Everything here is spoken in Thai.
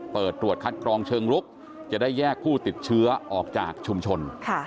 ตรวจคัดกรองเชิงลุกจะได้แยกผู้ติดเชื้อออกจากชุมชน